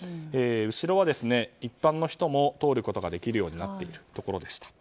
後ろは一般の人も通ることができるようになっているところでした。